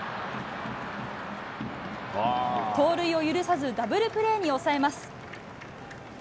盗塁を許さずダブルプレーに抑えます。